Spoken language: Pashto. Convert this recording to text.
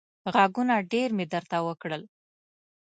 غږونه ډېر مې درته وکړل.